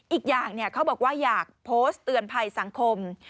อีกอย่างเขาบอกว่าอยากโพสต์เตือนภัยสังคม